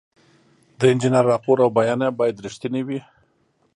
د انجینر راپور او بیانیه باید رښتینې وي.